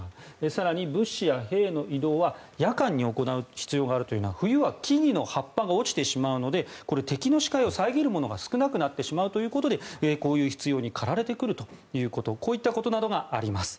更に物資や兵の移動は夜間に行う必要があるというのは冬は木々の葉っぱが落ちてしまうので敵の視界を遮るものが少なくなってしまうということでこういった必要に駆られてくるということなどがあります。